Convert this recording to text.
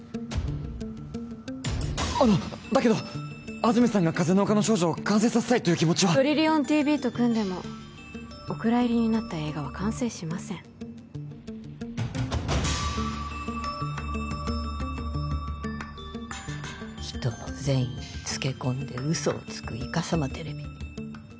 あのだけど安住さんが「風の丘の少女」を完成させたいという気持ちはトリリオンＴＶと組んでもお蔵入りになった映画は完成しません人の善意につけ込んで嘘をつくイカサマテレビ